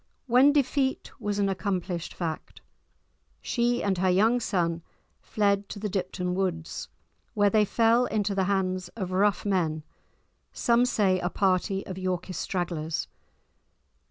When defeat was an accomplished fact, she and her young son fled to the Dipton Woods, where they fell into the hands of rough men, some say a party of Yorkist stragglers.